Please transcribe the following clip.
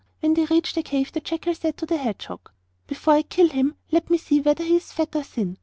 When they reached the cave the jackal said to the hedgehog. 'Before I kill him let me see whether he is fat or thin.